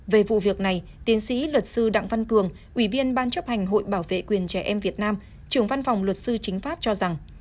về vụ việc này tiến sĩ luật sư đặng văn cường ủy viên ban chấp hành hội bảo vệ quyền trẻ em việt nam trưởng văn phòng luật sư chính pháp cho rằng